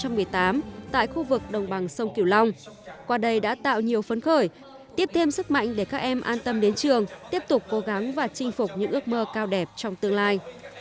tại khu vực đồng bằng sông kiều long qua đây đã tạo nhiều phấn khởi tiếp thêm sức mạnh để các em an tâm đến trường tiếp tục cố gắng và chinh phục những ước mơ cao đẹp trong tương lai